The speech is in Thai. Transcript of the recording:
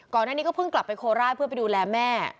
ก่อนหน้านี้ก็เพิ่งกลับไปโคราชเพื่อไปดูแลแม่